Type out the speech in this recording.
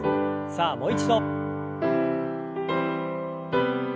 さあもう一度。